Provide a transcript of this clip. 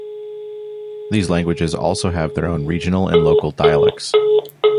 These languages also have their own regional and local dialects.